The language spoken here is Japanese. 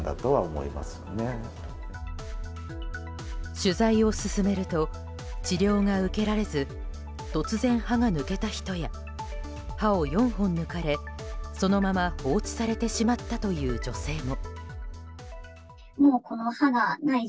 取材を進めると治療が受けられず突然歯が抜けた人や歯を４本抜かれそのまま放置されてしまったという女性も。